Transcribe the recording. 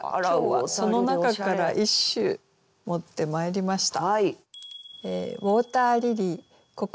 今日はその中から一首持ってまいりました。